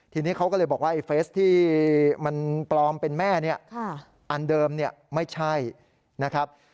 ทีนี้เขาก็เลยบอกว่าไอ้เฟสที่มันปลอมเป็นแม่เนี่ยอันเดิมเนี่ยไม่ใช่นะครับ